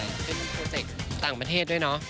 เป็นโปรเจคต่างประเทศด้วยเนาะ